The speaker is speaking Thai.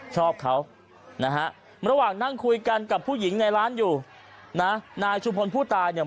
ชอบเขานะฮะระหว่างนั่งคุยกันกับผู้หญิงในร้านอยู่นะนายชุมพลผู้ตายเนี่ย